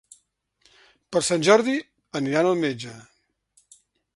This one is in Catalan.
Per Sant Jordi aniran al metge.